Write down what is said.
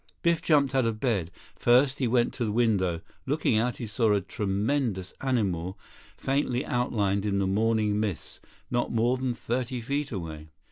Biff jumped out of bed. First he went to the window. Looking out, he saw a tremendous animal faintly outlined in the morning mists not more than thirty feet away.